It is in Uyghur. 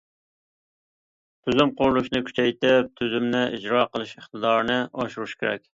تۈزۈم قۇرۇلۇشىنى كۈچەيتىپ، تۈزۈمنى ئىجرا قىلىش ئىقتىدارىنى ئاشۇرۇش كېرەك.